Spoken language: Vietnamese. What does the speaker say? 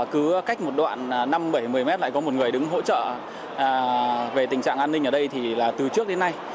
cứ cách một đoạn năm bảy mươi mét lại có một người đứng hỗ trợ về tình trạng an ninh ở đây thì là từ trước đến nay